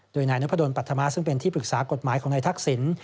โดยนายนพปัฏธมะซึ่งเป็นที่ปรึกษากฎหมายของในทักศิลป์